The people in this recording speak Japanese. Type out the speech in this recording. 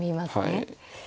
はい。